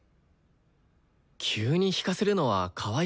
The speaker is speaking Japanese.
急に弾かせるのはかわいそうじゃない？